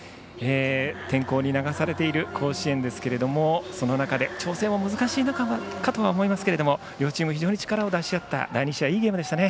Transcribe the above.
天候に流されている甲子園ですがその中で調整は難しい中だと思いますが両チーム、力を出し合ったいいゲームでしたね。